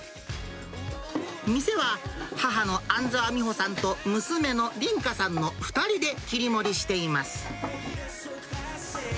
店は、母の安澤美穂さんと、娘の琳華さんの２人で切り盛りしています。